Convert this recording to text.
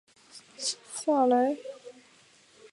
萨莱尚。